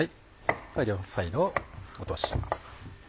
両サイドを落とします。